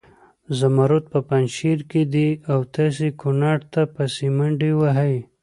زمرود په پنجشیر کې دي او تاسې کنړ ته پسې منډې وهئ.